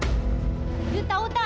kamu tahu tak